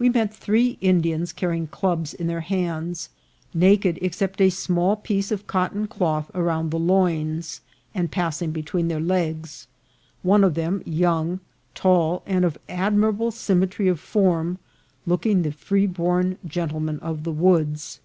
We met three Indians carrying clubs in their hands, naked except a small piece of cotton cloth around the loins and passing between the legs, one of them, young, tall, and of admirable symmetry of form, looking the freeborn gentleman of the woods.